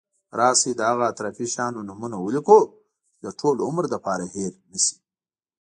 راشي د هغه اطرافي شیانو نومونه ولیکو چې د ټول عمر لپاره هېر نشی.